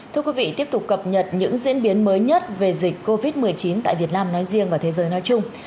thưa quý vị tiếp tục cập nhật những diễn biến mới nhất về dịch covid một mươi chín tại việt nam nói riêng và thế giới nói chung